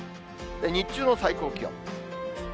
日中の最高気温。